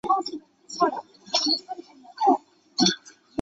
大寮区公所